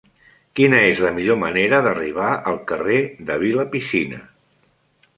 Quina és la millor manera d'arribar al carrer de Vilapicina?